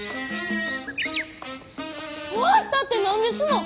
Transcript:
終わったって何ですの！？